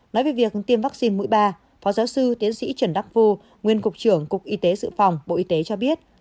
nói về việc tiêm vaccine mũi ba phó giáo sư tiến sĩ trần đắc phu nguyên cục trưởng cục y tế dự phòng bộ y tế cho biết